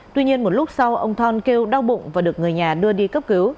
tuy nhiên một lúc sau ông thon kêu đau bụng và được người nhà đưa đi cấp cứu